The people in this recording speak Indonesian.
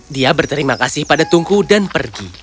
dia berterima kasih pada tungku dan pergi